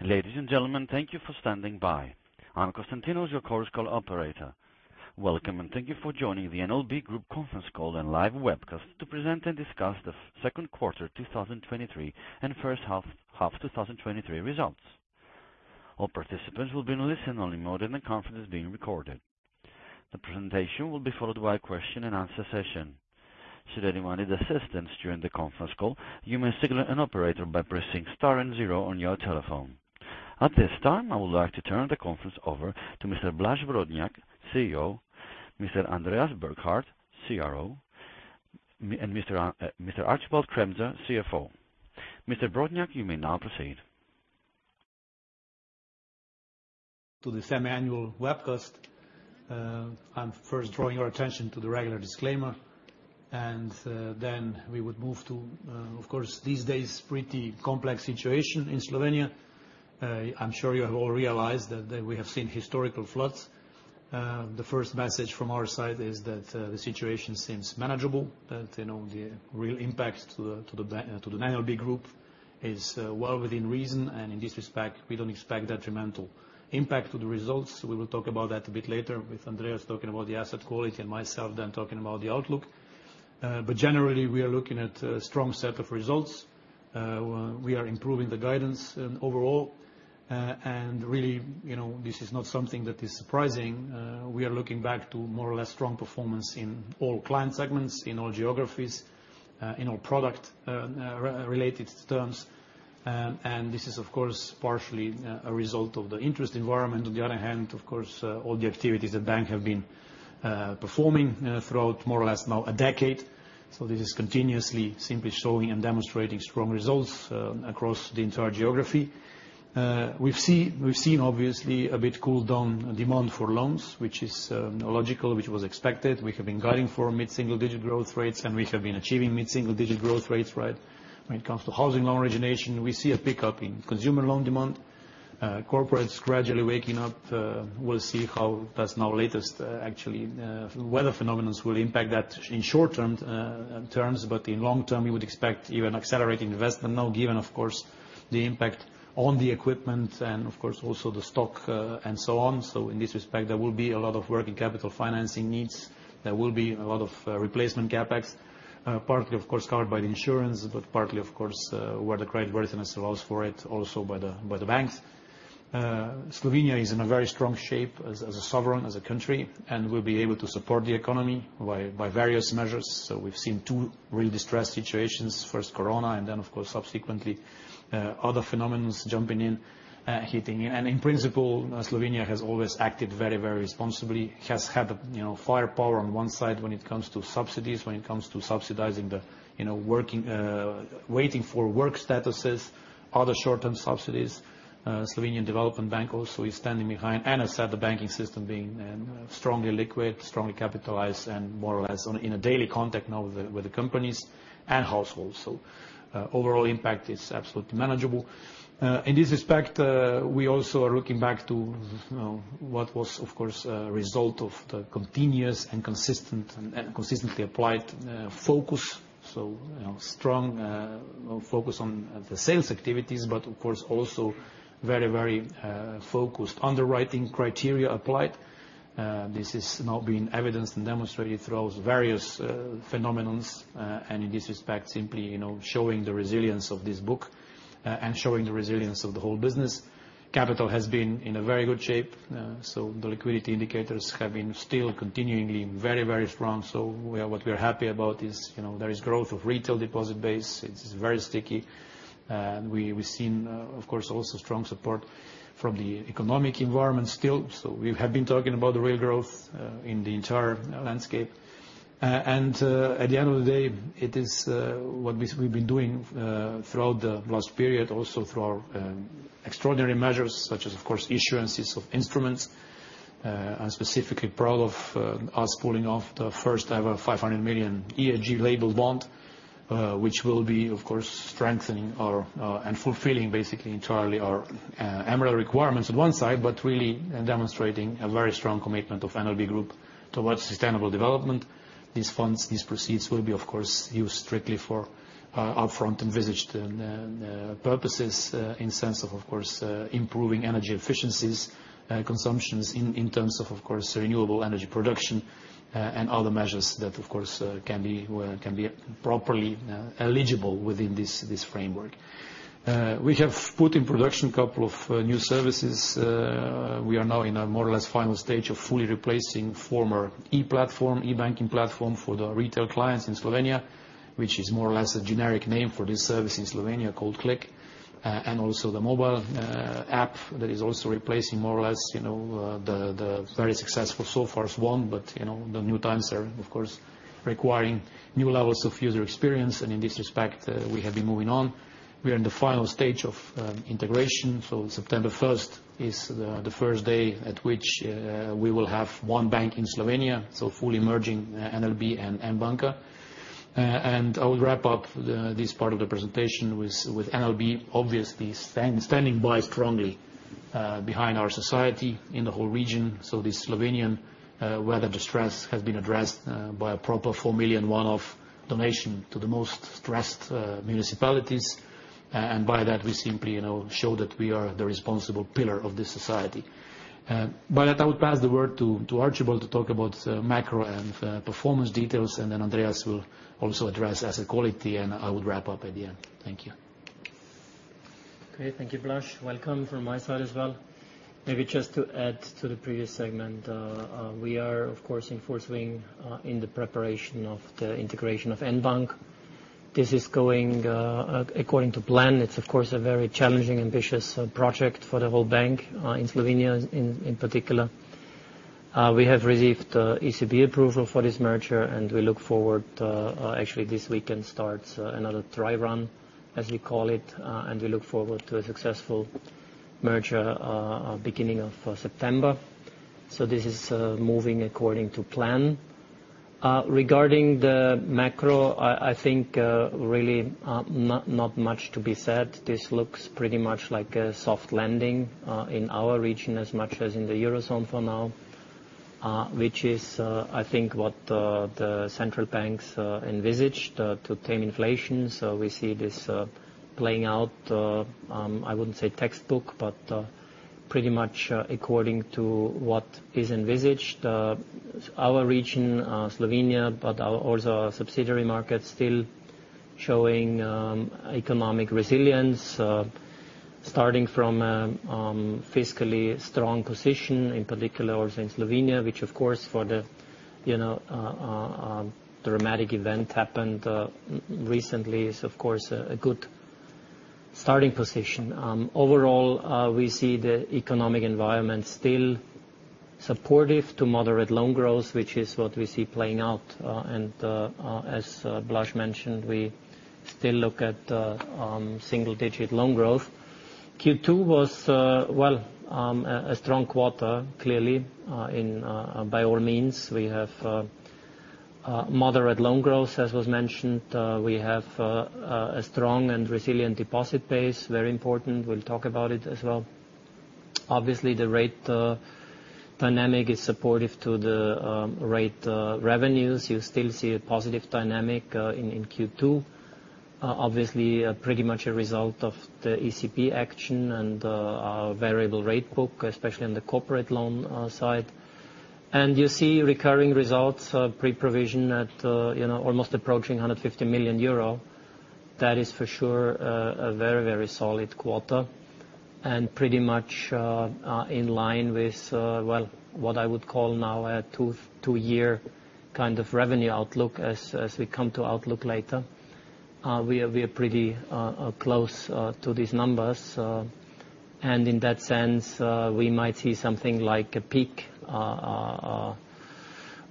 Ladies and gentlemen, thank you for standing by. I'm Constantinos, your Chorus Call operator. Welcome, and thank you for joining the NLB Group conference call and live webcast to present and discuss the second quarter 2023 and first half 2023 results. All participants will be in listen-only mode, and the conference is being recorded. The presentation will be followed by a question and answer session. Should anyone need assistance during the conference call, you may signal an operator by pressing star and zero on your telephone. At this time, I would like to turn the conference over to Mr. Blaž Brodnjak, CEO, Mr. Andreas Burkhardt, CRO, and Mr. Archibald Kremser, CFO. Mr. Brodnjak, you may now proceed. To the semi-annual webcast. I'm first drawing your attention to the regular disclaimer, then we would move to, of course, these days, pretty complex situation in Slovenia. I'm sure you have all realized that, that we have seen historical floods. The first message from our side is that the situation seems manageable, that, you know, the real impact to the NLB Group is well within reason, and in this respect, we don't expect detrimental impact to the results. We will talk about that a bit later, with Andreas talking about the asset quality and myself then talking about the outlook. Generally, we are looking at a strong set of results. We are improving the guidance overall. Really, you know, this is not something that is surprising. We are looking back to more or less strong performance in all client segments, in all geographies, in all product related terms. This is, of course, partially a result of the interest environment. On the other hand, of course, all the activities the bank have been performing throughout, more or less now a decade. This is continuously simply showing and demonstrating strong results across the entire geography. We've seen obviously a bit cooled down demand for loans, which is logical, which was expected. We have been guiding for mid-single digit growth rates, and we have been achieving mid-single digit growth rates, right? When it comes to housing loan origination, we see a pickup in consumer loan demand, corporates gradually waking up. We'll see how that's now latest. Actually, weather phenomenons will impact that in short term, terms, but in long term, you would expect even accelerated investment, now, given, of course, the impact on the equipment and of course, also the stock, and so on. In this respect, there will be a lot of working capital financing needs. There will be a lot of replacement CapEx, partly, of course, covered by the insurance, but partly, of course, where the credit worthiness allows for it, also by the, by the banks. Slovenia is in a very strong shape as, as a sovereign, as a country, and will be able to support the economy by, by various measures. We've seen two real distressed situations, first Corona and then, of course, subsequently, other phenomenons jumping in, hitting in. In principle, Slovenia has always acted very, very responsibly, has had, you know, firepower on one side when it comes to subsidies, when it comes to subsidizing the, you know, working, waiting for work statuses, other short-term subsidies. Slovenian Development Bank also is standing behind and has set the banking system being strongly liquid, strongly capitalized, and more or less in a daily contact now with the companies and households. Overall impact is absolutely manageable. In this respect, we also are looking back to, you know, what was, of course, a result of the continuous and consistent, and, and consistently applied focus. You know, strong focus on the sales activities, but of course, also very, very focused underwriting criteria applied. This is now being evidenced and demonstrated throughout various phenomenons, and in this respect, simply, you know, showing the resilience of this book, and showing the resilience of the whole business. Capital has been in a very good shape, so the liquidity indicators have been still continuingly very, very strong. What we are happy about is, you know, there is growth of retail deposit base. It is very sticky, and we've seen, of course, also strong support from the economic environment still. We have been talking about the real growth in the entire landscape. At the end of the day, it is what we've been doing throughout the last period, also through our extraordinary measures, such as, of course, insurances of instruments. I'm specifically proud of us pulling off the first-ever 500 million ESG labeled bond, which will be, of course, strengthening our and fulfilling basically entirely our MREL requirements on one side, but really demonstrating a very strong commitment of NLB Group towards sustainable development. These funds, these proceeds, will be, of course, used strictly for upfront envisaged and purposes in sense of, of course, improving energy efficiencies, consumptions in terms of, of course, renewable energy production, and other measures that, of course, can be can be properly eligible within this framework. We have put in production a couple of new services. We are now in a more or less final stage of fully replacing former e-platform, e-banking platform for the retail clients in Slovenia, which is more or less a generic name for this service in Slovenia called NLB Klik. Also, the mobile app that is also replacing more or less, you know, the very successful so far is one, but, you know, the new times are of course, requiring new levels of user experience, and in this respect, we have been moving on. We are in the final stage of integration, so September 1st is the first day at which we will have one bank in Slovenia, so fully merging NLB and N Banka. I will wrap up this part of the presentation with NLB obviously standing by strongly. behind our society in the whole region. The Slovenian weather distress has been addressed by a proper 4 million one-off donation to the most stressed municipalities. By that, we simply, you know, show that we are the responsible pillar of this society. I would pass the word to, to Archibald to talk about macro and performance details, Andreas will also address asset quality, and I will wrap up at the end. Thank you. Okay, thank you, Blaž. Welcome from my side as well. Maybe just to add to the previous segment, we are, of course, enforcing in the preparation of the integration of N Banka. This is going according to plan. It's of course a very challenging, ambitious project for the whole bank in Slovenia in particular. We have received ECB approval for this merger, and we look forward, actually, this weekend starts another dry run, as we call it, and we look forward to a successful merger beginning of September. This is moving according to plan. Regarding the macro, I think, really, not much to be said. This looks pretty much like a soft landing, in our region, as much as in the Eurozone for now, which is, I think, what the, the central banks, envisaged, to tame inflation. We see this playing out, I wouldn't say textbook, but pretty much according to what is envisaged. Our region, Slovenia, but our also subsidiary markets, still showing, economic resilience, starting from a, fiscally strong position, in particular, also in Slovenia which, of course, for the, you know, dramatic event happened, recently, is, of course, a good starting position. Overall, we see the economic environment still supportive to moderate loan growth, which is what we see playing out. As Blaž mentioned, we still look at single-digit loan growth. Q2 was, well, a strong quarter, clearly, by all means. We have moderate loan growth, as was mentioned. We have a strong and resilient deposit base, very important. We'll talk about it as well. Obviously, the rate dynamic is supportive to the rate revenues. You still see a positive dynamic in Q2. Obviously, pretty much a result of the ECB action and our variable rate book, especially on the corporate loan side. You see recurring results pre-provision at, you know, almost approaching 150 million euro. That is for sure, a very, very solid quarter, and pretty much in line with, well, what I would call now, a two-year kind of revenue outlook as we come to outlook later. We are, we are pretty, close to these numbers, and in that sense, we might see something like a peak,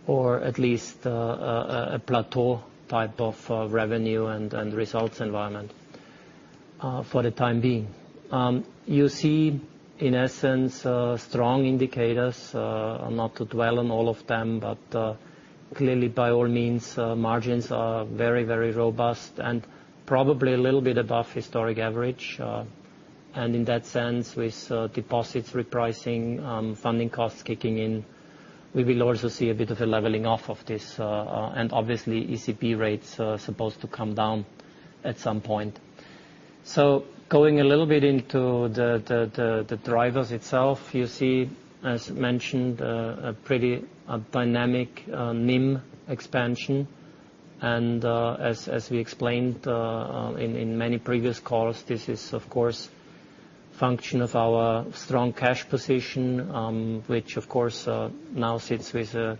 or at least, a, a plateau type of, revenue and, and results environment, for the time being. You see, in essence, strong indicators, not to dwell on all of them, but, clearly, by all means, margins are very, very robust and probably a little bit above historic average. In that sense, with, deposits repricing, funding costs kicking in, we will also see a bit of a leveling off of this. Obviously, ECB rates are supposed to come down at some point. Going a little bit into the, the, the, the drivers itself, you see, as mentioned, a pretty, a dynamic, NIM expansion. As, as we explained, in many previous calls, this is, of course, function of our strong cash position, which, of course, now sits with a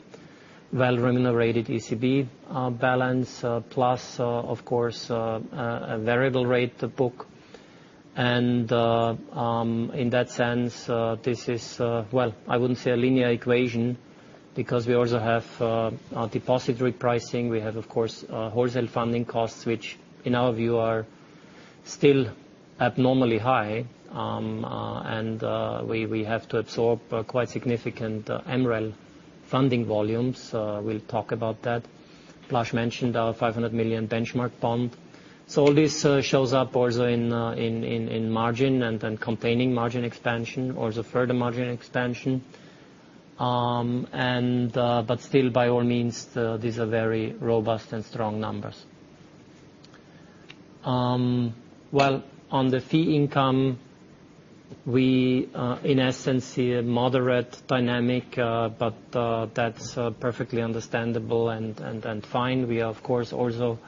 well remunerated ECB balance, plus, of course, a variable rate, the book. In that sense, this is, well, I wouldn't say a linear equation, because we also have our deposit repricing. We have, of course, wholesale funding costs, which, in our view, are still abnormally high, and we have to absorb quite significant MREL funding volumes. We'll talk about that. Blaž mentioned our 500 million Benchmark bond. All this shows up also in, in, in margin and, and containing margin expansion or the further margin expansion. Still, by all means, these are very robust and strong numbers. On the fee income, we in essence see a moderate dynamic, that's perfectly understandable and fine. We are, of course, also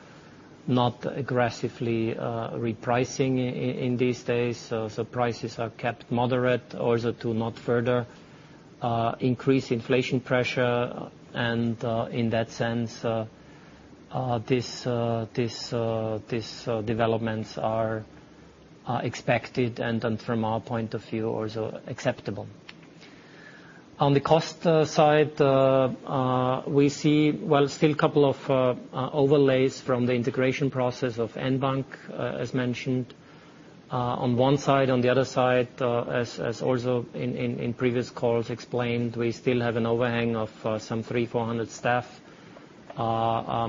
not aggressively repricing in these days, so prices are kept moderate also to not further increase inflation pressure. In that sense, these developments are expected, and from our point of view, also acceptable. On the cost side, we see still couple of overlays from the integration process of N Banka, as mentioned, on one side. On the other side, as also in previous calls explained, we still have an overhang of some 300-400 staff...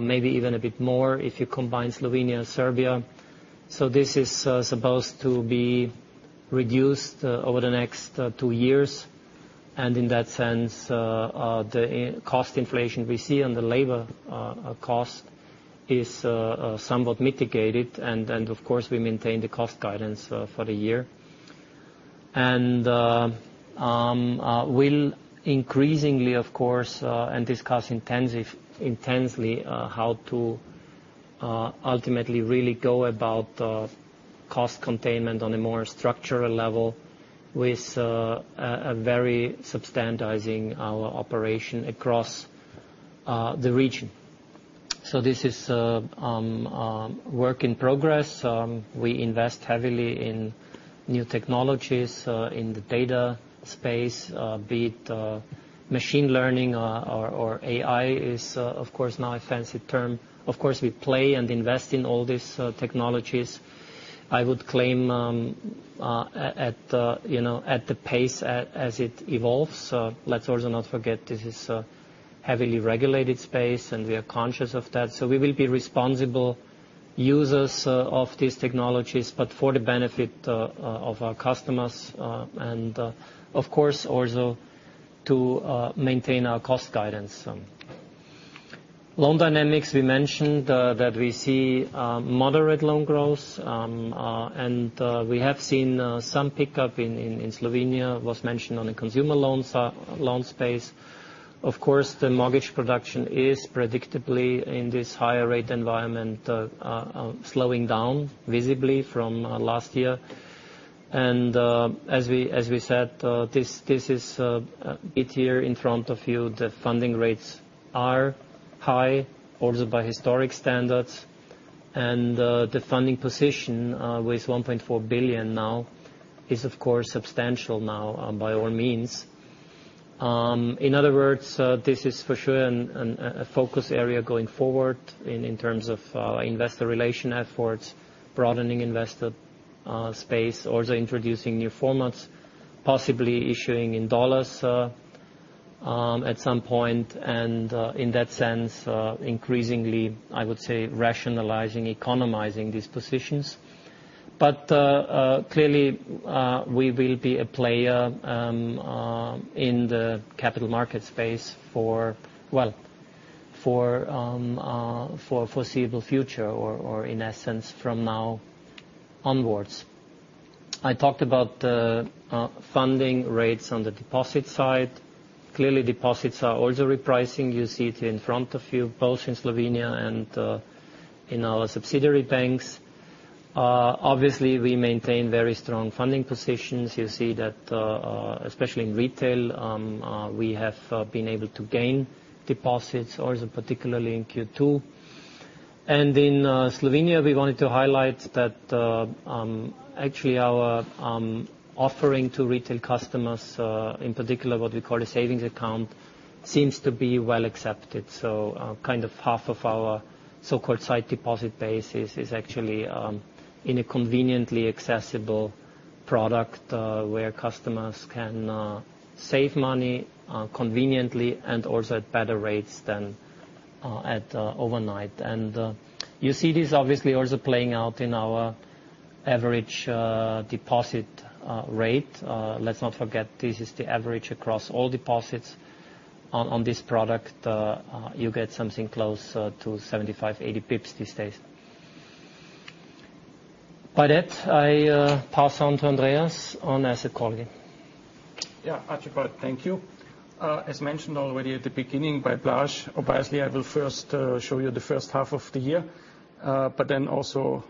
maybe even a bit more if you combine Slovenia and Serbia. This is supposed to be reduced over the next two years, and in that sense, the cost inflation we see on the labor cost is somewhat mitigated. Of course, we maintain the cost guidance for the year. We'll increasingly, of course, and discuss intensely, how to ultimately really go about cost containment on a more structural level with a very substantiating our operation across the region. This is work in progress. We invest heavily in new technologies in the data space, be it machine learning or AI is, of course, now a fancy term. Of course, we play and invest in all these technologies. I would claim, you know, at the pace as it evolves. Let's also not forget this is a heavily regulated space, and we are conscious of that. We will be responsible users of these technologies, but for the benefit of our customers, and of course, also to maintain our cost guidance. Loan dynamics, we mentioned that we see moderate loan growth. We have seen some pickup in Slovenia, was mentioned on the consumer loans loan space. Of course, the mortgage production is predictably in this higher rate environment slowing down visibly from last year. As we, as we said, this, this is, it here in front of you, the funding rates are high, also by historic standards, and the funding position, with 1.4 billion now is, of course, substantial now, by all means. In other words, this is for sure, a focus area going forward in terms of investor relation efforts, broadening investor space, also introducing new formats, possibly issuing in dollars, at some point, and in that sense, increasingly, I would say, rationalizing, economizing these positions. Clearly, we will be a player in the capital market space for, well, for foreseeable future or in essence, from now onwards. I talked about the funding rates on the deposit side. Clearly, deposits are also repricing. You see it in front of you, both in Slovenia and in our subsidiary banks. Obviously, we maintain very strong funding positions. You see that especially in retail, we have been able to gain deposits, also particularly in Q2. In Slovenia, we wanted to highlight that actually our offering to retail customers, in particular what we call a savings account, seems to be well accepted. Kind of half of our so-called site deposit base is actually in a conveniently accessible product, where customers can save money conveniently and also at better rates than at overnight. You see this obviously also playing out in our average deposit rate. Let's not forget, this is the average across all deposits on, on this product, you get something close, to 75, 80 pips these days. By that, I, pass on to Andreas on asset quality. Yeah, Archibald, thank you. As mentioned already at the beginning by Blaž, obviously, I will first show you the first half of the year, but then also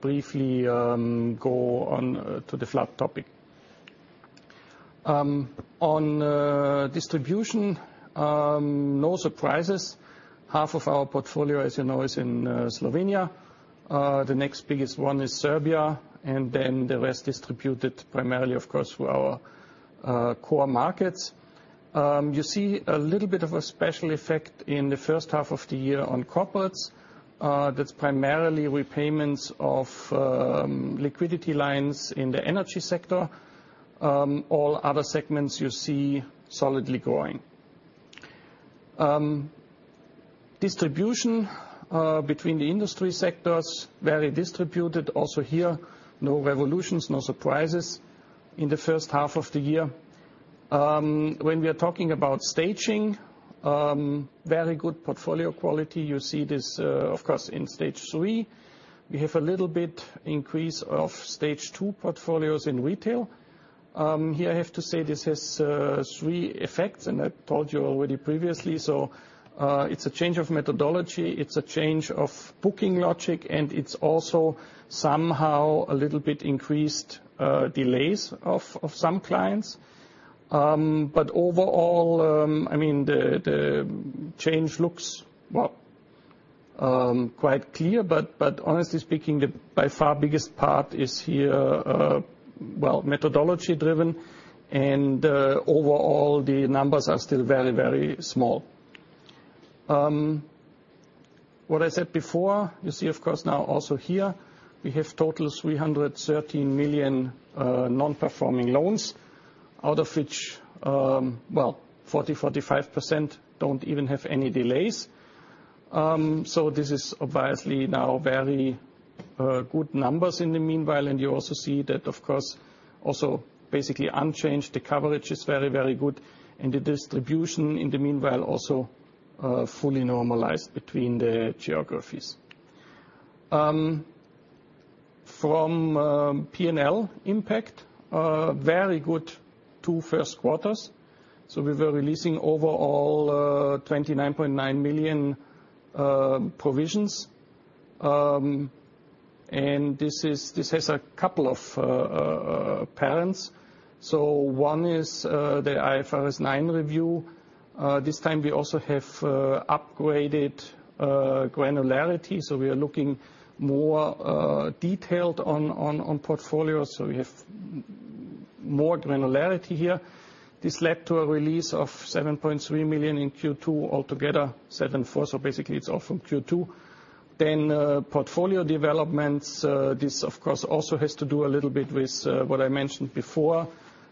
briefly go on to the flood topic. On distribution, no surprises. Half of our portfolio, as you know, is in Slovenia. The next biggest one is Serbia, and then the rest distributed primarily, of course, through our core markets. You see a little bit of a special effect in the first half of the year on corporates. That's primarily repayments of liquidity lines in the energy sector. All other segments you see solidly growing. Distribution between the industry sectors, very distributed. Also here, no revolutions, no surprises in the first half of the year. When we are talking about staging, very good portfolio quality. You see this, of course, in Stage 3. We have a little bit increase of Stage 2 portfolios in retail. Here I have to say this has three effects, and I told you already previously, it's a change of methodology, it's a change of booking logic, and it's also somehow a little bit increased delays of some clients. Overall, I mean, the change looks, well, quite clear, but honestly speaking, the by far biggest part is here, well, methodology driven, and overall, the numbers are still very, very small. What I said before, you see, of course, now also here, we have total 313 million non-performing loans, out of which, well, 40%-45% don't even have any delays. This is obviously now very good numbers in the meanwhile, and you also see that, of course, also basically unchanged. The coverage is very, very good, and the distribution in the meanwhile, also, fully normalized between the geographies. From P&L impact, a very good two first quarters. We were releasing overall EUR 29.9 million provisions. This is- this has a couple of parents. One is the IFRS nine review. This time we also have upgraded granularity, so we are looking more detailed on, on, on portfolios, so we have more granularity here. This led to a release of 7.3 million in Q2, altogether 7.4 million. Basically, it's all from Q2. Portfolio developments, this, of course, also has to do a little bit with what I mentioned before,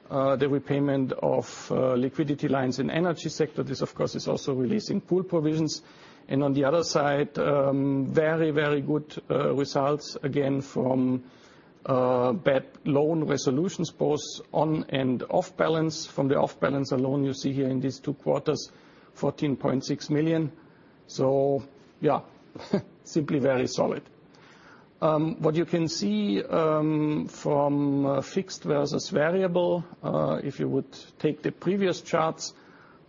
the repayment of liquidity lines in energy sector. This, of course, is also releasing pool provisions. On the other side, very, very good results, again from non-performing loan resolutions, both on and off balance. From the off balance alone, you see here in these two quarters, 14.6 million. Yeah, simply very solid. What you can see from fixed versus variable, if you would take the previous charts,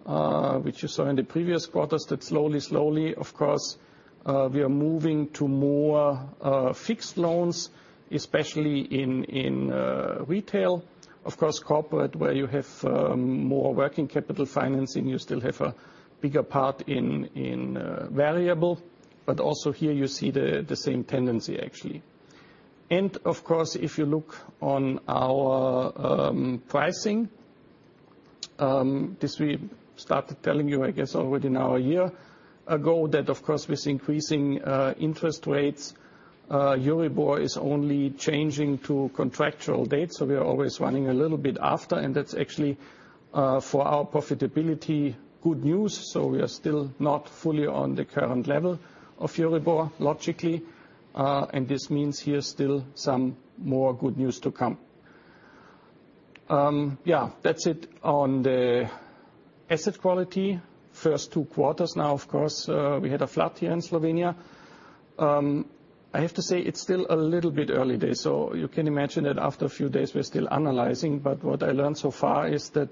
which you saw in the previous quarters, that slowly, slowly, of course, we are moving to more fixed loans, especially in retail. Of course, corporate, where you have, more working capital financing, you still have a bigger part in, in, variable, but also here you see the, the same tendency, actually. Of course, if you look on our pricing, this we started telling you, I guess, already now a year ago, that, of course, with increasing interest rates, Euribor is only changing to contractual dates, so we are always running a little bit after, and that's actually for our profitability, good news. We are still not fully on the current level of Euribor, logically, and this means here's still some more good news to come. Yeah, that's it on the asset quality. First two quarters now, of course, we had a flood here in Slovenia. I have to say it's still a little bit early days, so you can imagine that after a few days, we're still analyzing. What I learned so far is that,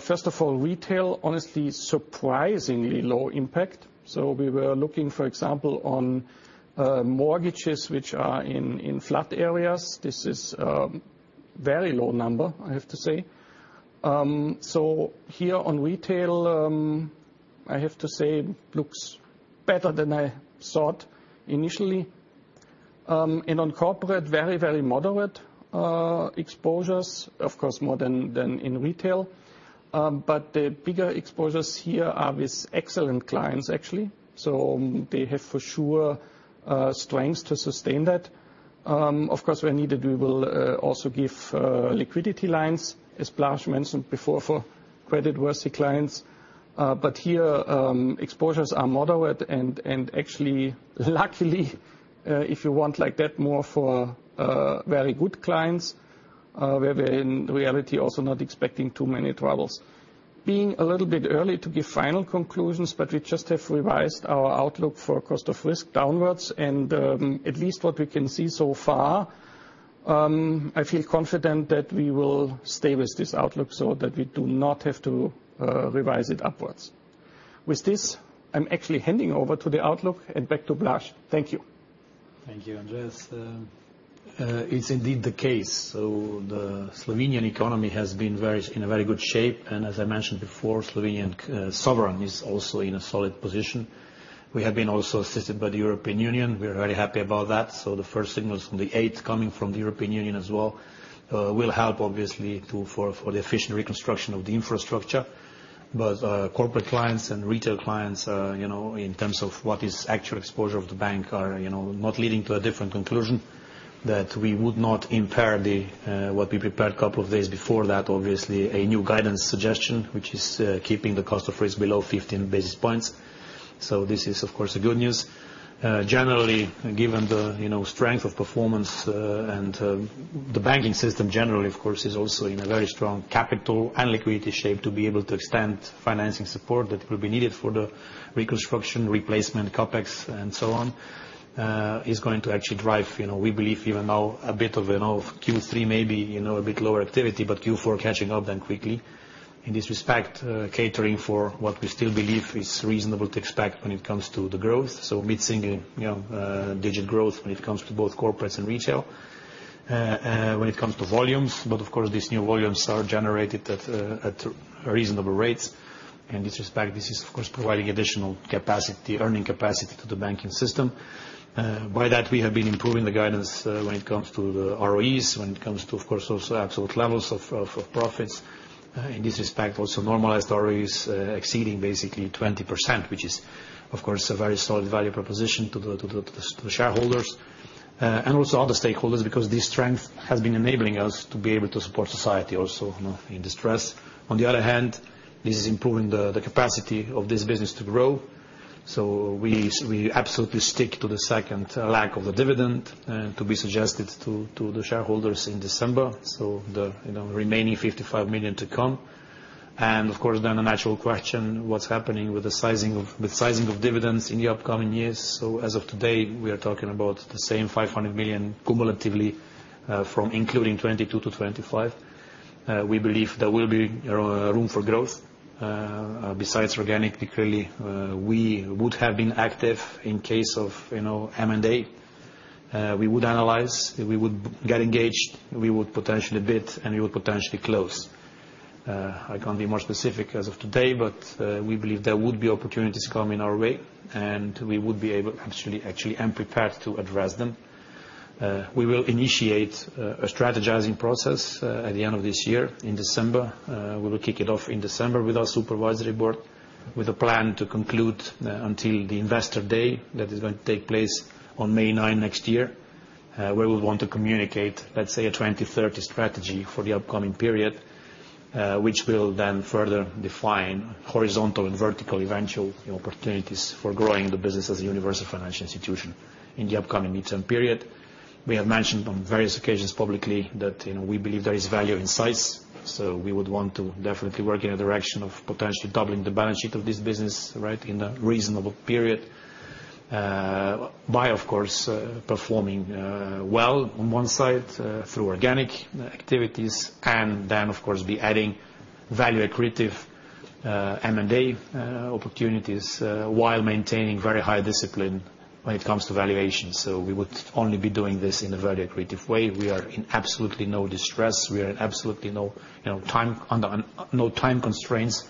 first of all, retail, honestly, surprisingly low impact. We were looking, for example, on mortgages, which are in, in flood areas. This is very low number, I have to say. So here on retail, I have to say, looks better than I thought initially. And on corporate, very, very moderate exposures, of course, more than, than in retail. The bigger exposures here are with excellent clients, actually, so they have, for sure, strengths to sustain that. Of course, where needed, we will also give liquidity lines, as Blaž mentioned before, for credit-worthy clients. Here, exposures are moderate and, and actually, luckily, if you want like that more for, very good clients, where we're in reality, also not expecting too many troubles. Being a little bit early to give final conclusions, but we just have revised our outlook for cost of risk downwards, and, at least what we can see so far, I feel confident that we will stay with this outlook so that we do not have to revise it upwards. With this, I'm actually handing over to the outlook and back to Blaž. Thank you. Thank you, Andreas. It's indeed the case. The Slovenian economy has been very, in a very good shape, and as I mentioned before, Slovenian sovereign is also in a solid position. We have been also assisted by the European Union. We are very happy about that. The first signals from the eighth, coming from the European Union as well, will help, obviously, for the efficient reconstruction of the infrastructure. Corporate clients and retail clients, you know, in terms of what is actual exposure of the bank, are, you know, not leading to a different conclusion, that we would not impair the what we prepared a couple of days before that, obviously, a new guidance suggestion, which is keeping the cost of risk below 15 basis points. This is, of course, a good news. Generally, given the, you know, strength of performance, and the banking system generally, of course, is also in a very strong capital and liquidity shape to be able to extend financing support that will be needed for the reconstruction, replacement, CapEx, and so on, is going to actually drive, you know, we believe, even now, a bit of, you know, Q3, maybe, you know, a bit lower activity, but Q4 catching up then quickly. In this respect, catering for what we still believe is reasonable to expect when it comes to the growth, so mid-single-digit growth when it comes to both corporates and retail, when it comes to volumes. Of course, these new volumes are generated at reasonable rates. In this respect, this is, of course, providing additional capacity, earning capacity to the banking system. by that, we have been improving the guidance, when it comes to the ROEs, when it comes to, of course, those absolute levels of profits. In this respect, also normalized ROEs, exceeding basically 20%, which is, of course, a very solid value proposition to the shareholders, and also other stakeholders, because this strength has been enabling us to be able to support society also, you know, in distress. On the other hand, this is improving the, the capacity of this business to grow. We, we absolutely stick to the second leg of the dividend and to be suggested to, to the shareholders in December, so the, you know, remaining 55 million to come. Of course, then the natural question, what's happening with the sizing of, the sizing of dividends in the upcoming years? As of today, we are talking about the same 500 million cumulatively, from including 2022 to 2025. We believe there will be room for growth, besides organic, because clearly, we would have been active in case of, you know, M&A. We would analyze, we would get engaged, we would potentially bid, and we would potentially close. I can't be more specific as of today, but we believe there would be opportunities coming our way, and we would be able, actually, actually, and prepared to address them. We will initiate a strategizing process at the end of this year, in December. We will kick it off in December with our supervisory board, with a plan to conclude until the Investor Day, that is going to take place on May 9 next year, where we want to communicate, let's say, a 2030 strategy for the upcoming period, which will then further define horizontal and vertical eventual opportunities for growing the business as a universal financial institution in the upcoming midterm period. We have mentioned on various occasions publicly that, you know, we believe there is value in size. We would want to definitely work in a direction of potentially doubling the balance sheet of this business, right, in a reasonable period, by, of course, performing well on one side through organic activities, and then, of course, be adding value-accretive M&A opportunities, while maintaining very high discipline when it comes to valuation. We would only be doing this in a very accretive way. We are in absolutely no distress. We are in absolutely no, you know, time, under no time constraints,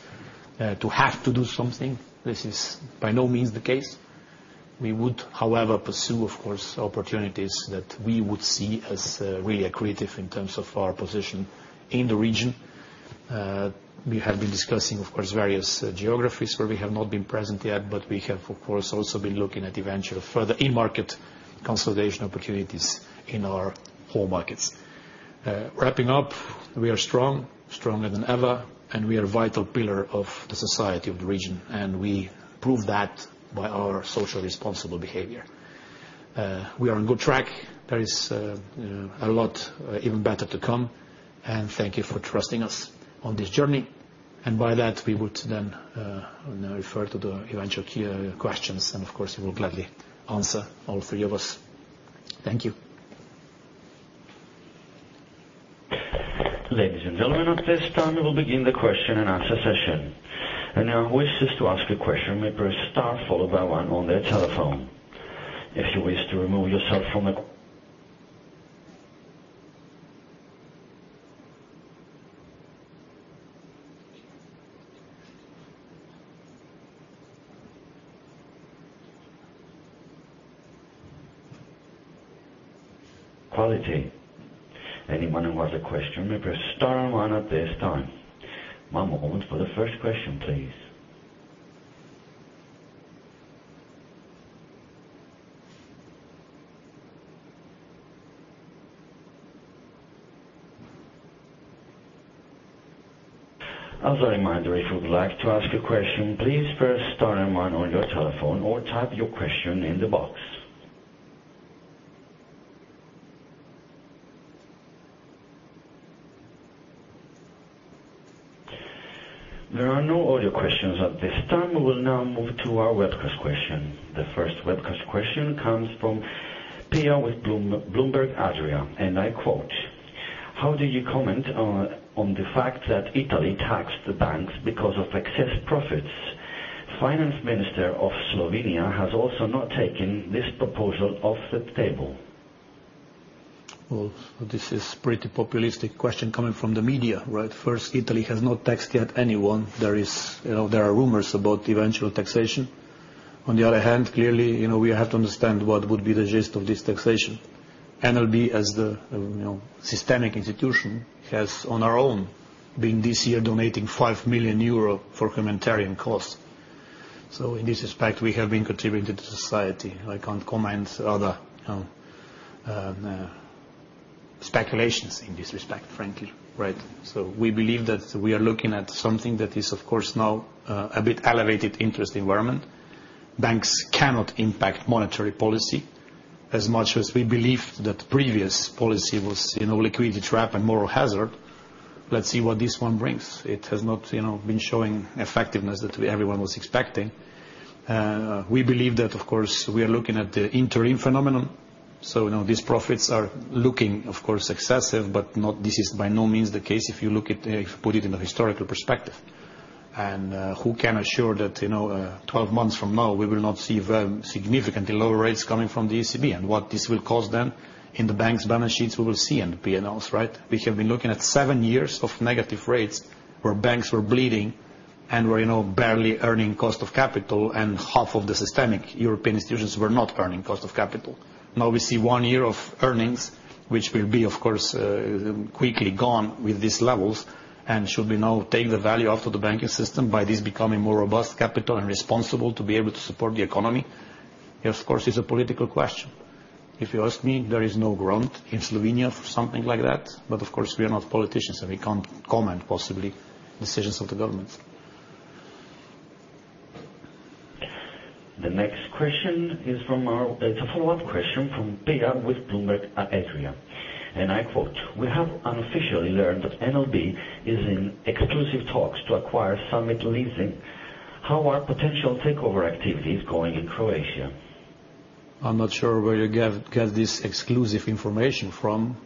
to have to do something. This is by no means the case. We would, however, pursue, of course, opportunities that we would see as really accretive in terms of our position in the region. We have been discussing, of course, various geographies where we have not been present yet, but we have, of course, also been looking at eventual further in-market consolidation opportunities in our home markets. Wrapping up, we are strong, stronger than ever, and we are a vital pillar of the society of the region, and we prove that by our social responsible behavior. We are on good track. There is a lot even better to come, and thank you for trusting us on this journey. By that, we would then now refer to the eventual Q&A questions, and of course, we will gladly answer, all three of us. Thank you. Ladies and gentlemen, at this time, we'll begin the question and answer session. If you wish us to ask a question, may press star followed by one on their telephone. If you wish to remove yourself from the. Quality. Anyone who has a question, may press star one at this time. One moment for the first question, please. As a reminder, if you would like to ask a question, please press star and one on your telephone, or type your question in the box. There are no audio questions at this time. We will now move to our webcast question. The first webcast question comes from Pia with Bloomberg Adria, and I quote, "How do you comment on, on the fact that Italy taxed the banks because of excess profits? Finance Minister of Slovenia has also not taken this proposal off the table. Well, this is pretty populistic question coming from the media, right? First, Italy has not taxed yet anyone. There is, you know, there are rumors about eventual taxation. On the other hand, clearly, you know, we have to understand what would be the gist of this taxation. NLB as the, you know, systemic institution, has on our own, been this year donating 5 million euro for humanitarian costs. In this respect, we have been contributing to society. I can't comment other speculations in this respect, frankly, right? We believe that we are looking at something that is, of course, now, a bit elevated interest environment. Banks cannot impact monetary policy. As much as we believe that previous policy was, you know, liquidity trap and moral hazard, let's see what this one brings. It has not, you know, been showing effectiveness that everyone was expecting. We believe that, of course, we are looking at the interim phenomenon, so, you know, these profits are looking, of course, excessive, but not. This is by no means the case, if you look at, if you put it in a historical perspective. Who can assure that, you know, 12 months from now, we will not see very significantly lower rates coming from the ECB, and what this will cause then in the bank's balance sheets, we will see in the P&Ls, right? We have been looking at seven years of negative rates where banks were bleeding. And we're, you know, barely earning cost of capital, and half of the systemic European institutions were not earning cost of capital. Now, we see one year of earnings, which will be, of course, quickly gone with these levels, and should we now take the value out of the banking system by this becoming more robust capital and responsible to be able to support the economy? It, of course, is a political question. If you ask me, there is no ground in Slovenia for something like that, but of course, we are not politicians, and we can't comment, possibly, decisions of the governments. The next question is It's a follow-up question from Pia with Bloomberg Adria, I quote: "We have unofficially learned that NLB is in exclusive talks to acquire Summit Leasing. How are potential takeover activities going in Croatia? I'm not sure where you get, get this exclusive information from.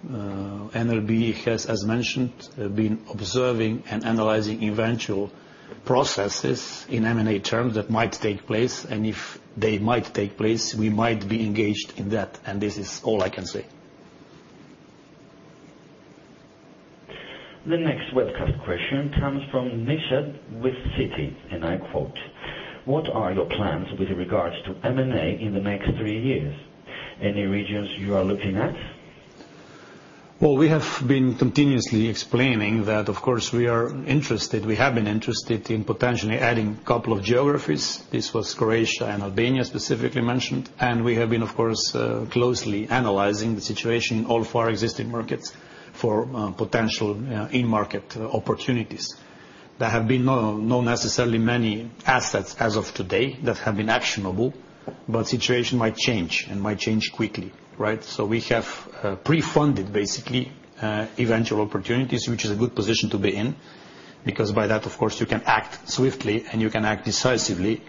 NLB has, as mentioned, been observing and analyzing eventual processes in M&A terms that might take place, and if they might take place, we might be engaged in that, and this is all I can say. The next webcast question comes from Nisha with Citi, and I quote, "What are your plans with regards to M&A in the next three years? Any regions you are looking at? Well, we have been continuously explaining that, of course, we are interested. We have been interested in potentially adding a couple of geographies. This was Croatia and Albania specifically mentioned, and we have been, of course, closely analyzing the situation in all four existing markets for potential in-market opportunities. There have been no, no necessarily many assets as of today that have been actionable, but situation might change and might change quickly, right? We have pre-funded, basically, eventual opportunities, which is a good position to be in, because by that, of course, you can act swiftly, and you can act decisively.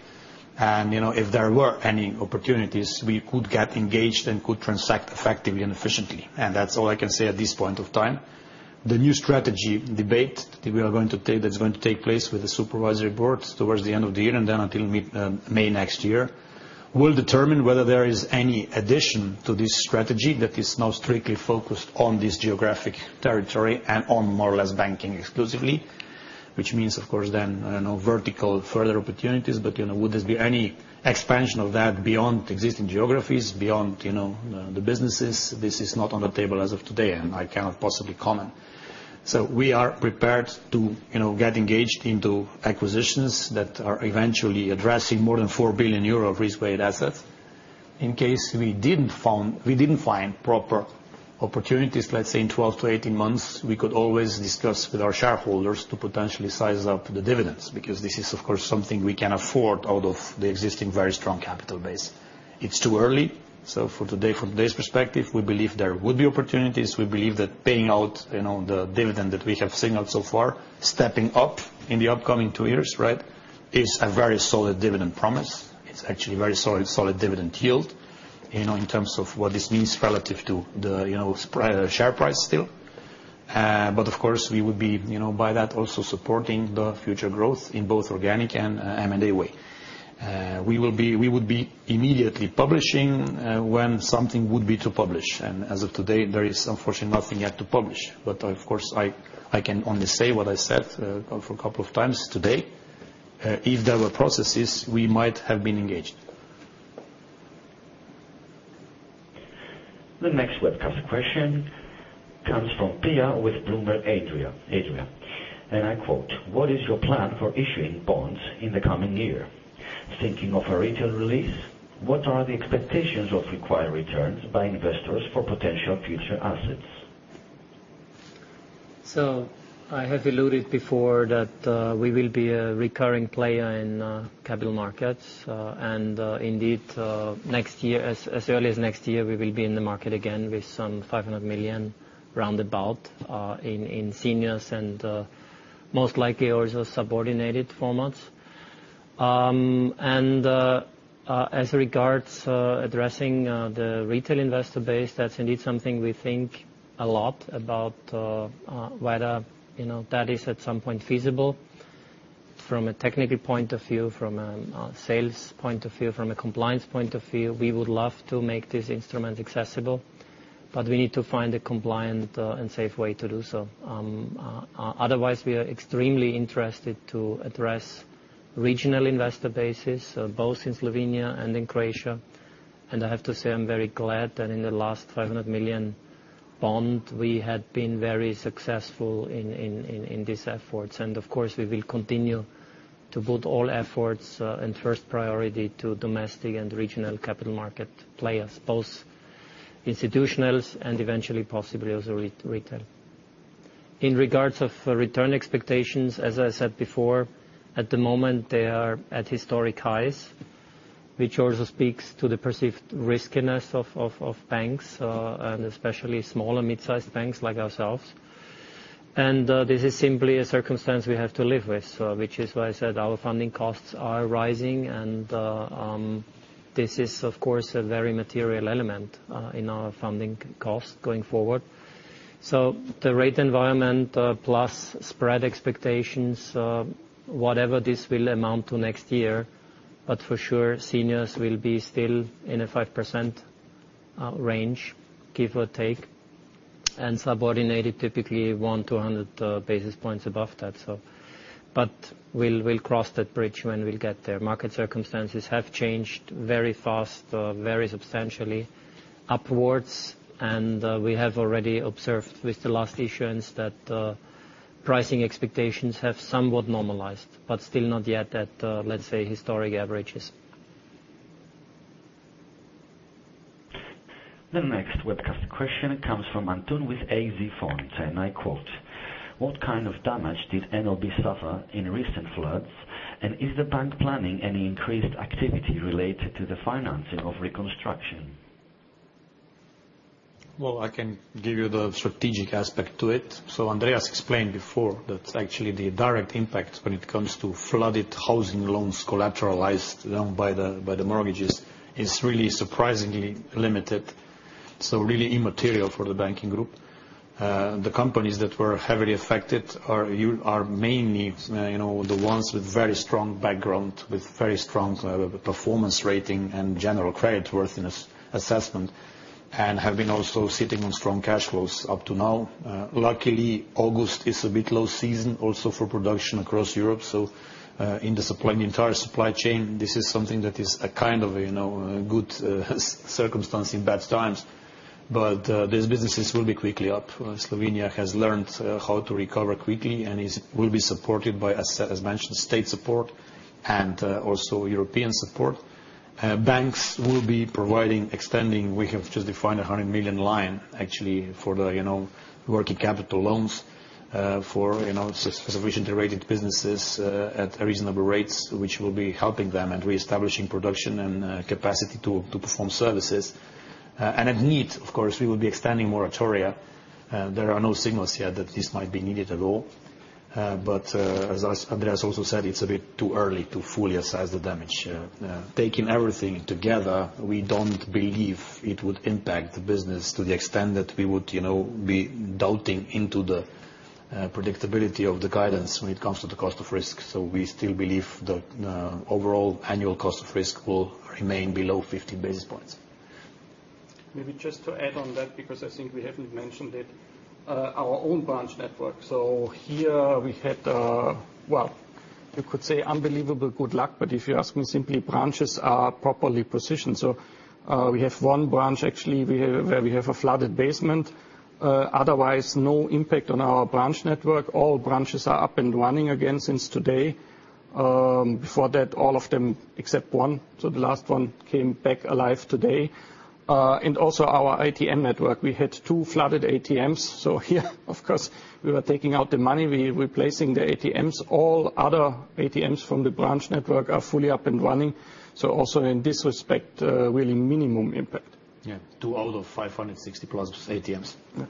You know, if there were any opportunities, we could get engaged and could transact effectively and efficiently, and that's all I can say at this point of time. The new strategy debate that we are going to take, that's going to take place with the supervisory board towards the end of the year and then until mid-May next year, will determine whether there is any addition to this strategy that is now strictly focused on this geographic territory and on more or less banking exclusively. Which means, of course, then, I don't know, vertical further opportunities, but, you know, would there be any expansion of that beyond existing geographies, beyond, you know, the, the businesses? This is not on the table as of today, and I cannot possibly comment. We are prepared to, you know, get engaged into acquisitions that are eventually addressing more than 4 billion euro of risk-weighted assets. In case we didn't find proper opportunities, let's say, in 12 to 18 months, we could always discuss with our shareholders to potentially size up the dividends, because this is, of course, something we can afford out of the existing very strong capital base. For today, from today's perspective, we believe there would be opportunities. We believe that paying out, you know, the dividend that we have signaled so far, stepping up in the upcoming two years, right, is a very solid dividend promise. It's actually a very solid, solid dividend yield, you know, in terms of what this means relative to the, you know, share price still. Of course, we would be, you know, by that, also supporting the future growth in both organic and M&A way. We would be immediately publishing when something would be to publish. As of today, there is unfortunately nothing yet to publish. Of course, I, I can only say what I said for a couple of times today. If there were processes, we might have been engaged. The next webcast question comes from Pia with Bloomberg Adria, and I quote: "What is your plan for issuing bonds in the coming year? Thinking of a retail release? What are the expectations of required returns by investors for potential future assets? I have alluded before that we will be a recurring player in capital markets, and indeed, next year, as early as next year, we will be in the market again with some 500 million, roundabout, in seniors and most likely also subordinated formats. As regards addressing the retail investor base, that's indeed something we think a lot about, whether, you know, that is at some point feasible. From a technical point of view, from a sales point of view, from a compliance point of view, we would love to make these instruments accessible, but we need to find a compliant and safe way to do so. Otherwise, we are extremely interested to address regional investor bases, both in Slovenia and in Croatia. I have to say, I'm very glad that in the last 500 million bond, we had been very successful in these efforts. Of course, we will continue to put all efforts and first priority to domestic and regional capital market players, both institutionals and eventually, possibly, also retail. In regards of return expectations, as I said before, at the moment, they are at historic highs, which also speaks to the perceived riskiness of banks and especially small and mid-sized banks like ourselves. This is simply a circumstance we have to live with, so. Which is why I said our funding costs are rising, this is, of course, a very material element in our funding cost going forward. The rate environment, plus spread expectations, whatever this will amount to next year, but for sure, seniors will be still in a 5% range, give or take. Subordinated typically 1 to 100 basis points above that. We'll, we'll cross that bridge when we'll get there. Market circumstances have changed very fast, very substantially upwards, and we have already observed with the last issuance that pricing expectations have somewhat normalized, but still not yet at, let's say, historic averages. The next webcast question comes from Anton with AZ Funds, and I quote, "What kind of damage did NLB suffer in recent floods, and is the bank planning any increased activity related to the financing of reconstruction? I can give you the strategic aspect to it. Andreas explained before that actually the direct impact when it comes to flooded housing loans collateralized by the mortgages, is really surprisingly limited, so really immaterial for the banking group. The companies that were heavily affected are mainly, you know, the ones with very strong background, with very strong performance rating and general credit worthiness assessment, and have been also sitting on strong cash flows up to now. Luckily, August is a bit low season also for production across Europe, so in the supply, the entire supply chain, this is something that is a kind of, you know, a good circumstance in bad times. These businesses will be quickly up. Slovenia has learned how to recover quickly and will be supported by, as mentioned, state support and also European support. Banks will be providing, extending, we have just defined a 100 million line, actually, for the, you know, working capital loans, for, you know, reservation-rated businesses, at reasonable rates, which will be helping them and reestablishing production and capacity to perform services. At need, of course, we will be extending moratoria. There are no signals yet that this might be needed at all. As Andreas also said, it's a bit too early to fully assess the damage. Taking everything together, we don't believe it would impact the business to the extent that we would, you know, be doubting into the predictability of the guidance when it comes to the cost of risk. We still believe the overall annual cost of risk will remain below 50 basis points. Maybe just to add on that, because I think we haven't mentioned it, our own branch network. Here we had, well, you could say unbelievable good luck, but if you ask me, simply, branches are properly positioned. Otherwise, no impact on our branch network. All branches are up and running again since today. Before that, all of them except one, so the last one came back alive today. Also our ATM network, we had two flooded ATMs, so here, of course, we were taking out the money, we replacing the ATMs. All other ATMs from the branch network are fully up and running, so also in this respect, really minimum impact. Yeah, two out of 560+ ATMs. Yeah.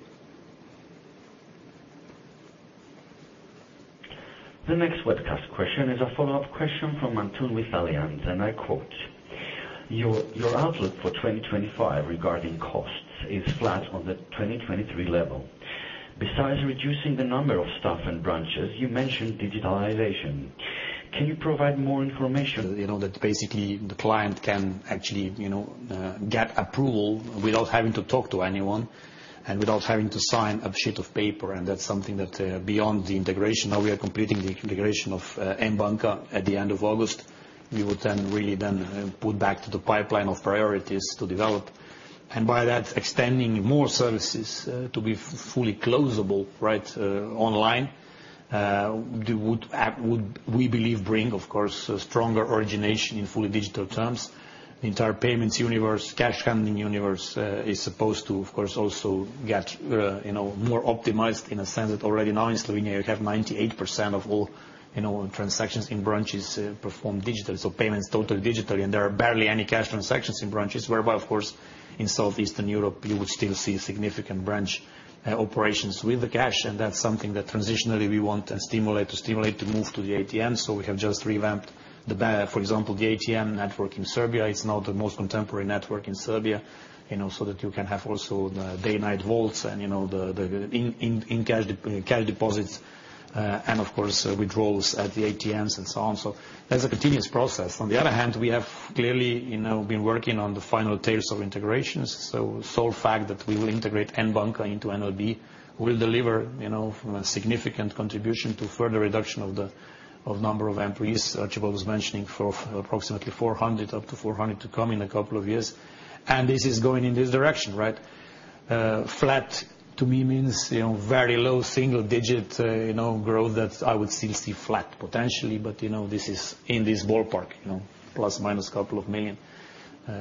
The next webcast question is a follow-up question from Anton with AZ Funds, and I quote: "Your outlook for 2025 regarding costs is flat on the 2023 level. Besides reducing the number of staff and branches, you mentioned digitalization. Can you provide more information? You know, that basically the client can actually, you know, get approval without having to talk to anyone and without having to sign a sheet of paper, and that's something that, beyond the integration, now we are completing the integration of N Banka at the end of August. We will then really then put back to the pipeline of priorities to develop. By that, extending more services, to be fully closable, right, online, would, we believe, bring, of course, a stronger origination in fully digital terms. The entire payments universe, cash handling universe, is supposed to, of course, also get, you know, more optimized in a sense that already now in Slovenia, you have 98% of all, you know, transactions in branches, performed digitally. Payments total digitally, and there are barely any cash transactions in branches, whereby, of course, in Southeastern Europe, you would still see significant branch operations with the cash, and that's something that transitionally we want to stimulate, to stimulate the move to the ATMs. We have just revamped for example, the ATM network in Serbia. It's now the most contemporary network in Serbia, you know, so that you can have also the day, night vaults and, you know, the in-cash deposits, and of course, withdrawals at the ATMs and so on. That's a continuous process. On the other hand, we have clearly, you know, been working on the final tails of integrations. Sole fact that we will integrate N Banka into NLB will deliver, you know, from a significant contribution to further reduction of the number of employees, Tibor was mentioning for approximately 400, up to 400 to come in a couple of years. This is going in this direction, right? Flat, to me means, you know, very low single digit, you know, growth that I would still see flat potentially, but, you know, this is in this ballpark, you know, plus, minus couple of million,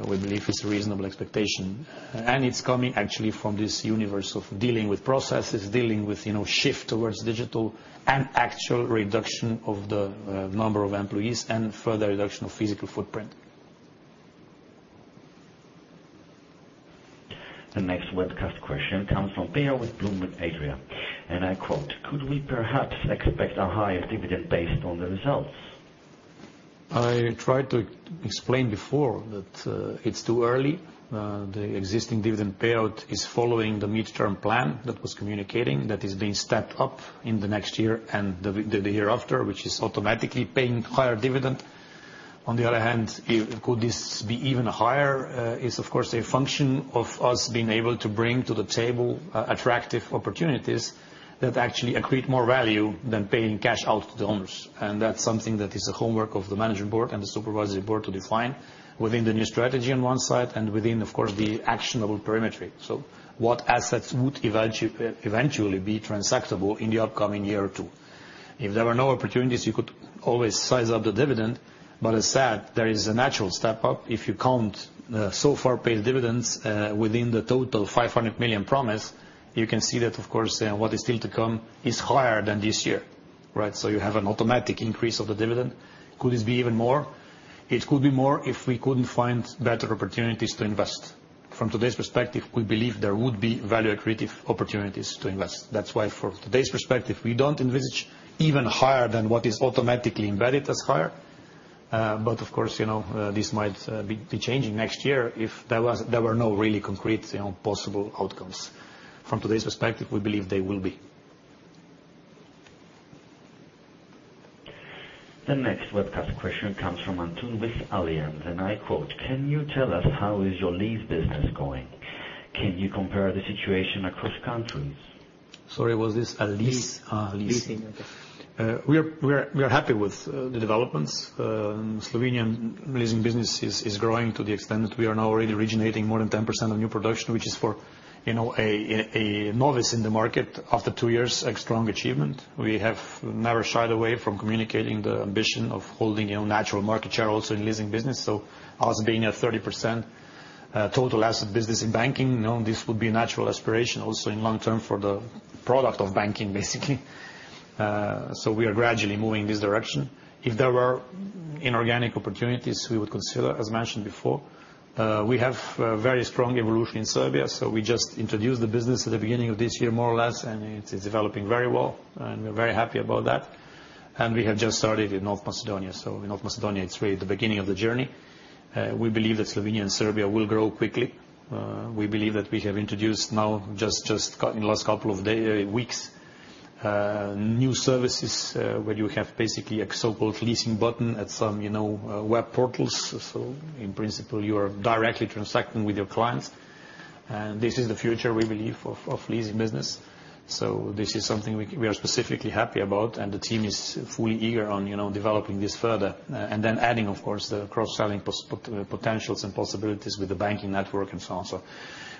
we believe is a reasonable expectation. It's coming actually from this universe of dealing with processes, dealing with, you know, shift towards digital and actual reduction of the number of employees and further reduction of physical footprint. The next webcast question comes from Pia with Bloomberg Adria, I quote: "Could we perhaps expect a higher dividend based on the results? I tried to explain before that, it's too early. The existing dividend payout is following the midterm plan that was communicating, that is being stepped up in the next year and the year after, which is automatically paying higher dividend. On the other hand, if could this be even higher, is, of course, a function of us being able to bring to the table, attractive opportunities that actually accrete more value than paying cash out to the owners. That's something that is a homework of the management board and the supervisory board to define within the new strategy on one side, and within, of course, the actionable perimetry. What assets would eventually be transactable in the upcoming year or two? If there are no opportunities, you could always size up the dividend, as said, there is a natural step up. If you count, so far paid dividends, within the total 500 million promise, you can see that, of course, what is still to come is higher than this year, right? You have an automatic increase of the dividend. Could this be even more? It could be more if we couldn't find better opportunities to invest. From today's perspective, we believe there would be value accretive opportunities to invest. That's why, for today's perspective, we don't envisage even higher than what is automatically embedded as higher. Of course, you know, this might be, be changing next year if there were no really concrete, you know, possible outcomes. From today's perspective, we believe they will be. The next webcast question comes from Anton with AZ Funds, and I quote: "Can you tell us, how is your lease business going? Can you compare the situation across countries? Sorry, was this a lease? Lease. We are, we are, we are happy with the developments. Slovenian leasing business is, is growing to the extent that we are now already originating more than 10% of new production, which is for, you know, a novice in the market, after two years, a strong achievement. We have never shied away from communicating the ambition of holding a natural market share also in leasing business. Us being at 30%, total asset business in banking, you know, this would be a natural aspiration also in long term for the product of banking, basically. We are gradually moving this direction. If there were inorganic opportunities, we would consider, as mentioned before. We have very strong evolution in Serbia, so we just introduced the business at the beginning of this year, more or less, and it's developing very well, and we're very happy about that. We have just started in North Macedonia, in North Macedonia, it's really the beginning of the journey. We believe that Slovenia and Serbia will grow quickly. We believe that we have introduced now, just in the last couple of day, weeks, new services, where you have basically a so-called leasing button at some, you know, web portals. In principle, you are directly transacting with your clients, and this is the future we believe of leasing business. This is something we, we are specifically happy about, and the team is fully eager on, you know, developing this further. Then adding, of course, the cross-selling perspect- potentials and possibilities with the banking network and so on so.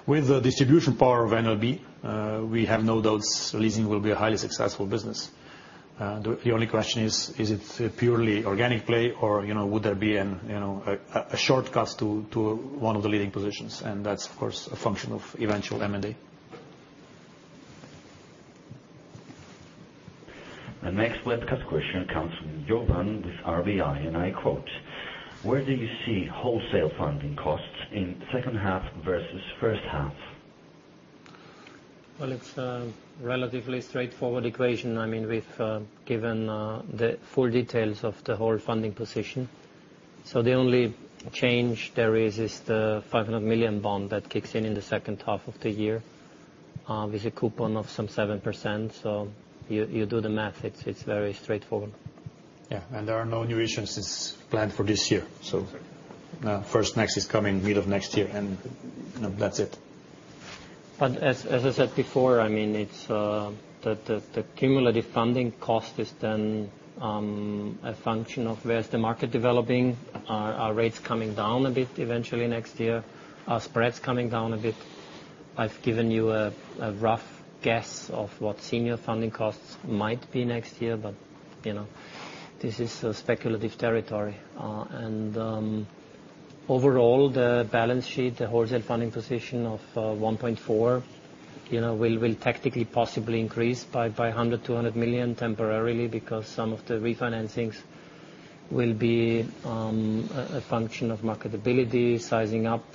With the distribution power of NLB, we have no doubts leasing will be a highly successful business. The only question is: Is it a purely organic play, or, you know, would there be an, you know, a shortcut to, to one of the leading positions? That's, of course, a function of eventual M&A. The next webcast question comes from Jovan with RBI, and I quote: "Where do you see wholesale funding costs in second half versus first half? Well, it's a relatively straightforward equation. I mean, we've given the full details of the whole funding position. The only change there is, is the 500 million bond that kicks in in the second half of the year, with a coupon of some 7%. You, you do the math. It's, it's very straightforward. Yeah, there are no new issues since planned for this year. First, next is coming middle of next year, and, you know, that's it. As, as I said before, I mean, it's the, the, the cumulative funding cost is then a function of where's the market developing. Are, are rates coming down a bit eventually next year? Are spreads coming down a bit? I've given you a, a rough guess of what senior funding costs might be next year, but, you know, this is a speculative territory. Overall, the balance sheet, the wholesale funding position of 1.4 billion, you know, will, will technically possibly increase by 100 million-200 million temporarily, because some of the refinancings will be a function of marketability, sizing up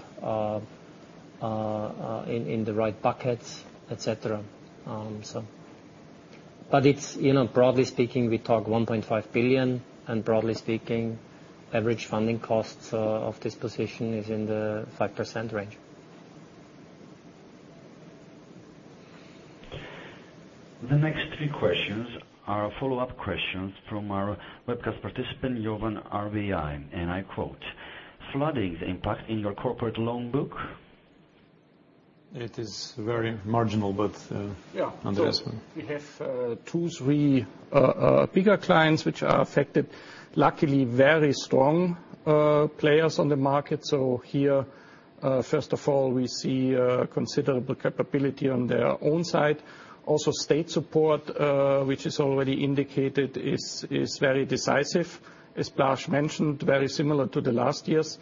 in the right buckets, et cetera. It's, you know, broadly speaking, we talk 1.5 billion, and broadly speaking, average funding costs of this position is in the 5% range. The next three questions are follow-up questions from our webcast participant, Jovan, RBI. I quote: "Flooding's impact in your corporate loan book? It is very marginal. Yeah. Underestimate. We have two, three bigger clients which are affected. Luckily, very strong players on the market. Here, first of all, we see considerable capability on their own side. Also, state support, which is already indicated, is very decisive, as Blaž mentioned, very similar to the last years.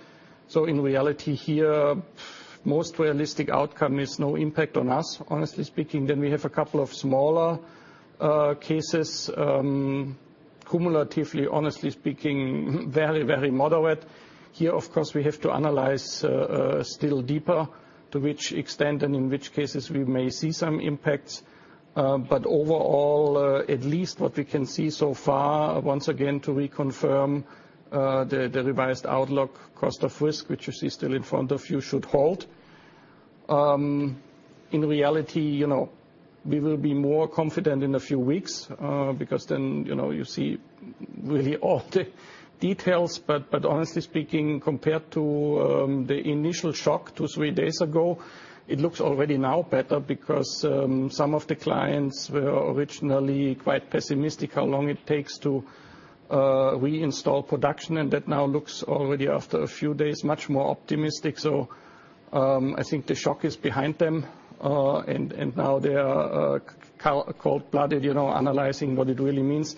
In reality here, most realistic outcome is no impact on us, honestly speaking. We have a couple of smaller cases, cumulatively, honestly speaking, very, very moderate. Here, of course, we have to analyze still deeper to which extent and in which cases we may see some impacts, but overall, at least what we can see so far, once again, to reconfirm the revised outlook cost of risk, which you see still in front of you, should hold. In reality, you know, we will be more confident in a few weeks, because then, you know, you see really all the details. But honestly speaking, compared to, the initial shock two, three days ago, it looks already now better because, some of the clients were originally quite pessimistic how long it takes to, reinstall production, and that now looks already, after a few days, much more optimistic. I think the shock is behind them, and, and now they are, cold-blooded, you know, analyzing what it really means.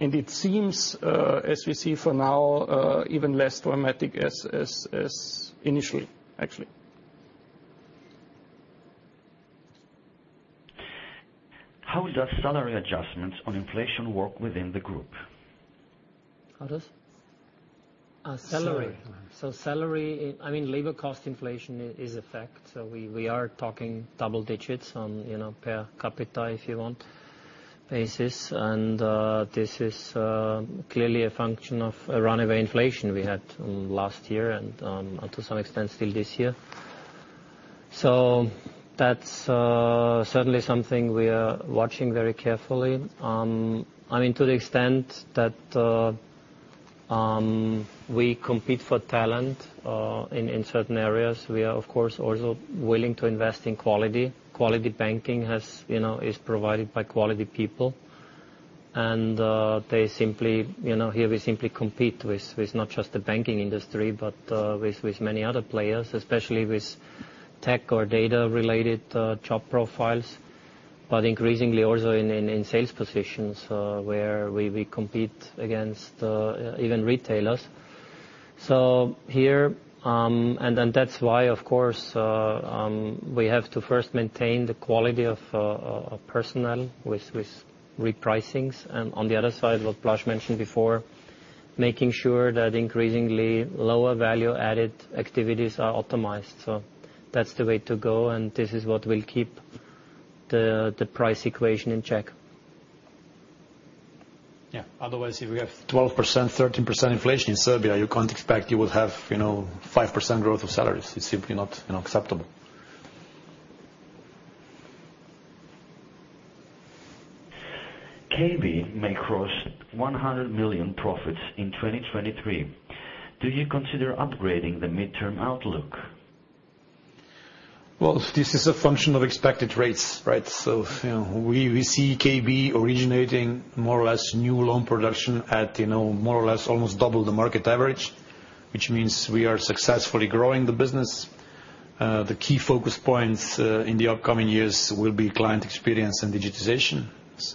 It seems, as we see for now, even less dramatic as, as, as initially, actually. How does salary adjustments on inflation work within the group? How does? Salary. Salary. Salary, I mean, labor cost inflation is a fact, so we, we are talking double digits on, you know, per capita, if you want, basis. This is clearly a function of a runaway inflation we had last year and to some extent still this year. That's certainly something we are watching very carefully. I mean, to the extent that we compete for talent in certain areas. We are, of course, also willing to invest in quality. Quality banking has, you know, is provided by quality people. They simply, you know, here we simply compete with, with not just the banking industry, but with many other players, especially with tech or data-related job profiles, but increasingly also in, in, in sales positions, where we, we compete against even retailers. Here... That's why, of course, we have to first maintain the quality of personnel with repricings. On the other side, what Blaž mentioned before, making sure that increasingly lower value added activities are optimized. That's the way to go, and this is what will keep the price equation in check. Yeah. Otherwise, if we have 12%, 13% inflation in Serbia, you can't expect you will have, you know, 5% growth of salaries. It's simply not, you know, acceptable. KB may cross 100 million profits in 2023. Do you consider upgrading the midterm outlook? Well, this is a function of expected rates, right? You know, we, we see KB originating more or less new loan production at, you know, more or less almost double the market average, which means we are successfully growing the business. The key focus points in the upcoming years will be client experience and digitization.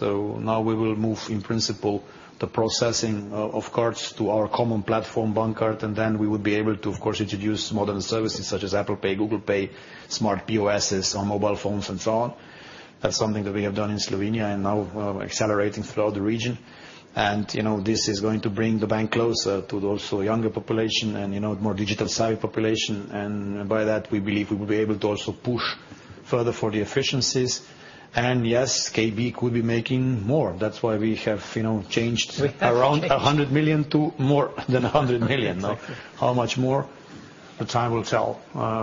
Now we will move, in principle, the processing of cards to our common platform, Bankart, and then we would be able to, of course, introduce modern services such as Apple Pay, Google Pay, Smart POS on mobile phones, and so on. That's something that we have done in Slovenia and now accelerating throughout the region. You know, this is going to bring the bank closer to the also younger population and, you know, more digital savvy population, and by that, we believe we will be able to also push further for the efficiencies. Yes, KB could be making more. That's why we have, you know, changed around 100 million to more than 100 million. Now, how much more? The time will tell.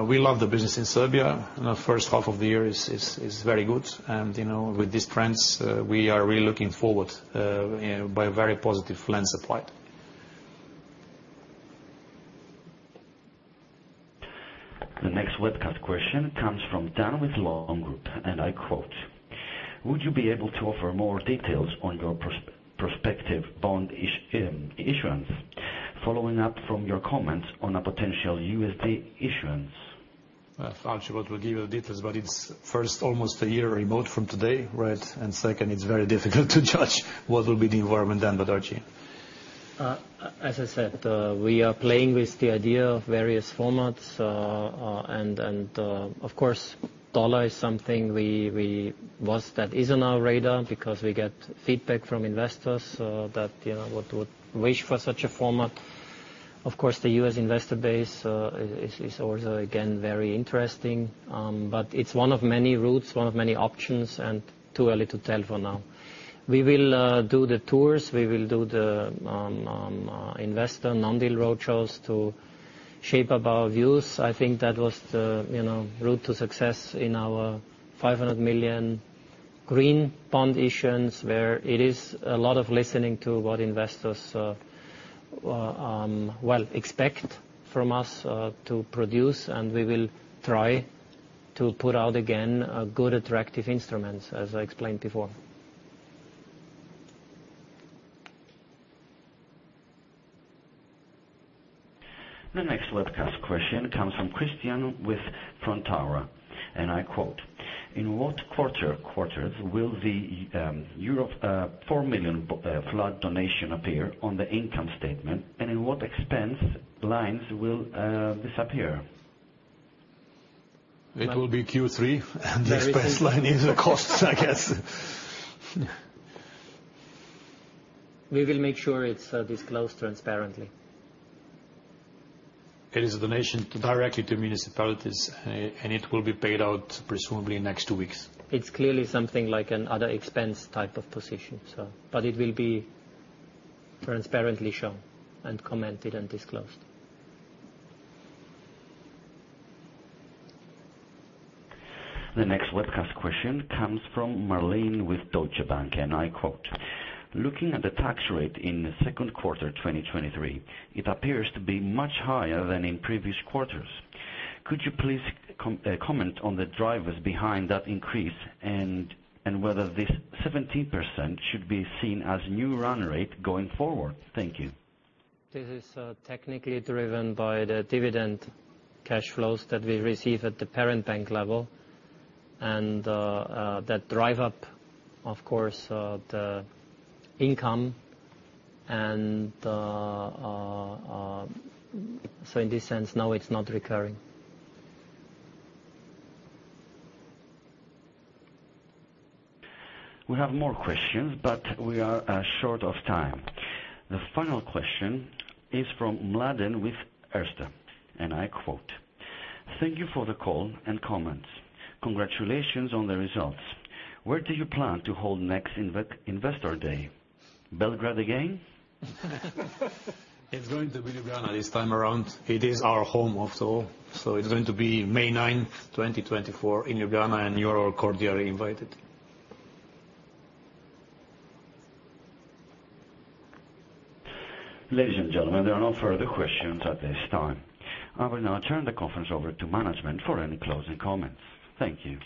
We love the business in Serbia. The first half of the year is, is, is very good and, you know, with these trends, we are really looking forward by a very positive lens applied. The next webcast question comes from Dan with Long Group, and I quote: "Would you be able to offer more details on your prospective bond issuance, following up from your comments on a potential USD issuance? That's Archi what will give you the details, it's first, almost a year remote from today, right? Second, it's very difficult to judge what will be the environment then. Archi... As I said, we are playing with the idea of various formats, and, of course, the US dollar is something that is on our radar because we get feedback from investors, that, you know, would, would wish for such a format. Of course, the U.S. investor base is also, again, very interesting, but it's one of many routes, one of many options, and too early to tell for now. We will do the tours, we will do the investor non-deal roadshows to shape up our views. I think that was the, you know, route to success in our 500 million green bond issuance, where it is a lot of listening to what investors, well, expect from us, to produce, and we will try to put out, again, a good, attractive instruments, as I explained before. The next webcast question comes from Christian with Frontera, and I quote: "In what quarter, quarters will the Europe euro 4 million flood donation appear on the income statement, and in what expense lines will disappear? It will be Q3. The expense line is the costs, I guess. We will make sure it's disclosed transparently. It is a donation directly to municipalities, and it will be paid out presumably in the next two weeks. It's clearly something like an other expense type of position. It will be transparently shown and commented and disclosed. The next webcast question comes from Marlene with Deutsche Bank, and I quote, "Looking at the tax rate in the second quarter, 2023, it appears to be much higher than in previous quarters. Could you please comment on the drivers behind that increase and whether this 17% should be seen as new run rate going forward? Thank you. This is technically driven by the dividend cash flows that we receive at the parent bank level, and that drive up, of course, the income. In this sense, no, it's not recurring. We have more questions. We are short of time. The final question is from Mladen with Erste, I quote: "Thank you for the call and comments. Congratulations on the results. Where do you plan to hold next Investor Day? Belgrade again? It's going to be Ljubljana this time around. It is our home also, so it's going to be May 9, 2024, in Ljubljana, and you're all cordially invited. Ladies and gentlemen, there are no further questions at this time. I will now turn the conference over to management for any closing comments. Thank you.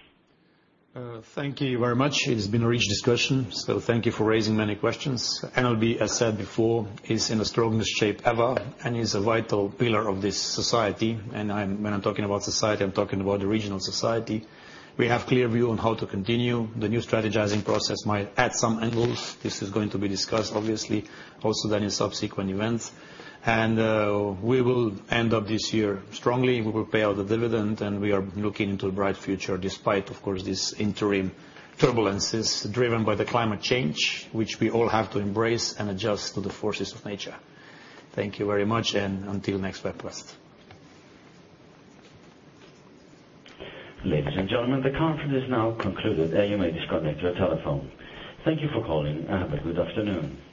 Thank you very much. It's been a rich discussion, so thank you for raising many questions. NLB, as said before, is in the strongest shape ever and is a vital pillar of this society, and when I'm talking about society, I'm talking about the regional society. We have clear view on how to continue. The new strategizing process might add some angles. This is going to be discussed, obviously, also then in subsequent events. We will end up this year strongly. We will pay out the dividend, and we are looking into a bright future, despite, of course, these interim turbulences driven by the climate change, which we all have to embrace and adjust to the forces of nature. Thank you very much, and until next webcast. Ladies and gentlemen, the conference is now concluded, and you may disconnect your telephone. Thank you for calling and have a good afternoon.